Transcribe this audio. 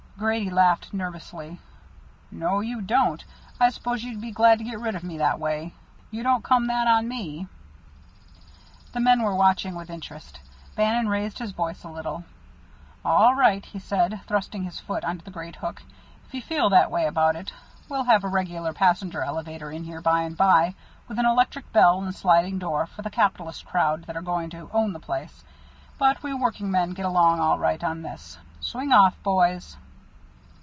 Grady laughed nervously. "No you don't. I suppose you'd be glad to get rid of me that way. You don't come that on me." The men were watching with interest; Bannon raised his voice a little. "All right," he said, thrusting his foot into the great hook, "if you feel that way about it. We'll have a regular passenger elevator in here by and by, with an electric bell and sliding door, for the capitalist crowd that are going to own the place. But we workingmen get along all right on this. Swing off, boys."